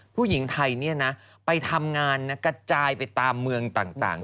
ผู้หญิงไทยไปทำงานกระจายไปตามเมืองต่าง